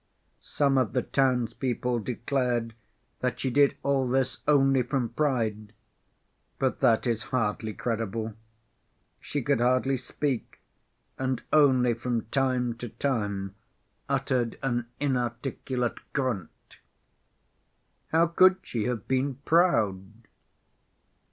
Some of the townspeople declared that she did all this only from pride, but that is hardly credible. She could hardly speak, and only from time to time uttered an inarticulate grunt. How could she have been proud?